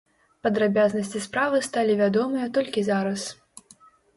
Падрабязнасці справы сталі вядомыя толькі зараз.